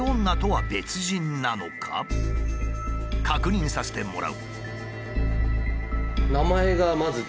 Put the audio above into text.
確認させてもらう。